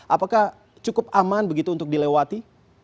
apakah cukup aman begitu untuk dilewati